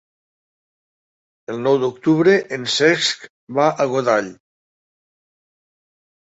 El nou d'octubre en Cesc va a Godall.